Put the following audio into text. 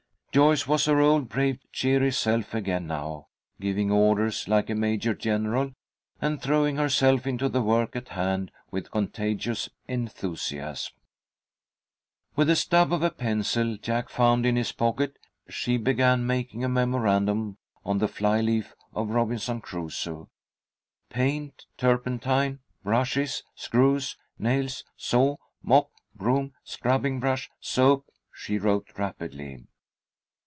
Joyce was her old brave, cheery self again now, giving orders like a major general, and throwing herself into the work at hand with contagious enthusiasm. With the stub of a pencil Jack found in his pocket, she began making a memorandum on the fly leaf of Robinson Crusoe. "Paint, turpentine, brushes, screws, nails, saw, mop, broom, scrubbing brush, soap," she wrote rapidly.